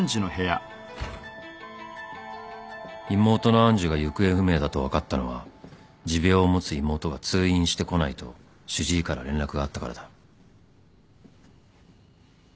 ［妹の愛珠が行方不明だと分かったのは持病を持つ妹が通院してこないと主治医から連絡があったからだ］